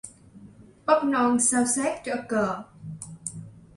Bắp non xao xác trở cờ